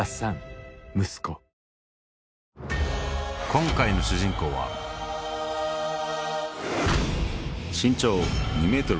今回の主人公は身長